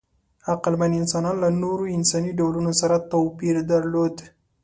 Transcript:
عقلمن انسانان له نورو انساني ډولونو سره توپیر درلود.